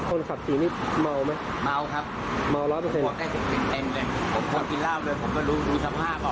คนเราถ้าถ้าไม่เมาอ่ะถ้าชนอย่างนี้มันต้องมีอาการกลัวใช่ไหมครับ